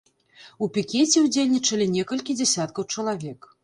У пікеце ўдзельнічалі некалькі дзясяткаў чалавек.